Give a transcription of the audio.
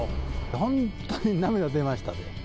本当に涙出ましたで。